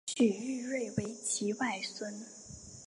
许育瑞为其外孙。